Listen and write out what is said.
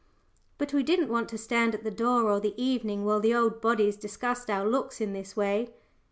But we didn't want to stand at the door all the evening while the old bodies discussed our looks in this way.